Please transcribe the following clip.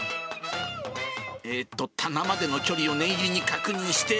えーと、棚までの距離を念入りに確認して。